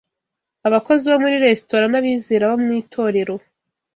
Abakozi bo muri resitora n’abizera bo mu itorero